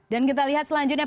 dan kita lihat selanjutnya